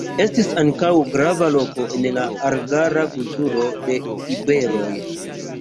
Estis ankaŭ grava loko en la argara kulturo de iberoj.